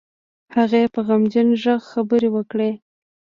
هغې په غمجن غږ خبرې وکړې.